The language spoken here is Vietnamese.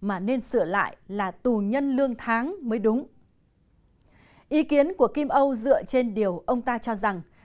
mà nên sửa lại là tù nhân lương tháng mới đúng ý kiến của kim âu dựa trên điều ông ta cho rằng